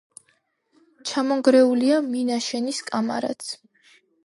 ჩამონგრეულია მინაშენის კამარაც.